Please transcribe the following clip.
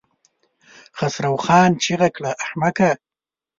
خسرو خان چيغه کړه! احمقه!